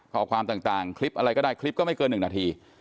ข้อความต่างคลิปอะไรก็ได้คลิปก็ไม่เกิน๑นาที